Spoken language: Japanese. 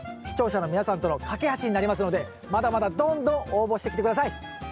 視聴者の皆さんとの懸け橋になりますのでまだまだどんどん応募してきて下さい。